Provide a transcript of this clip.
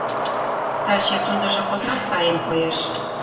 Таче тудыжо поснак сайын коеш.